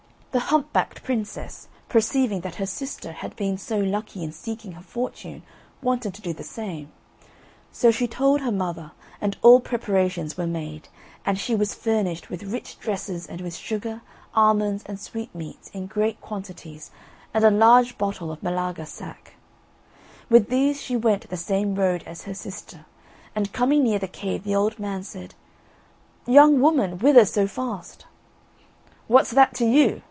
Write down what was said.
The hump backed princess, perceiving that her sister had been so lucky in seeking her fortune, wanted to do the same; so she told her mother, and all preparations were made, and she was furnished with rich dresses, and with sugar, almonds, and sweetmeats, in great quantities, and a large bottle of Malaga sack. With these she went the same road as her sister; and coming near the cave, the old man said: "Young woman, whither so fast?" "What's that to you?"